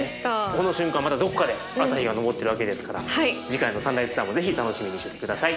この瞬間またどっかで朝日が昇ってるわけですから次回の「サンライズツアー」もぜひ楽しみにしてて下さい。